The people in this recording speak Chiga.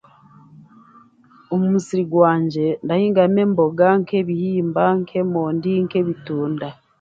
Omu musiri gwangye ndahingamu embooga nk'ebihimba, nk'emoondi, nk'ebituunda.